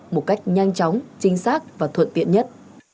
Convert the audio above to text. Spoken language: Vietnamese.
một cách nhanh chóng chính xác và thuận tiện nhất